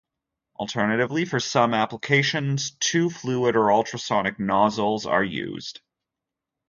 Alternatively, for some applications two-fluid or ultrasonic nozzles are used.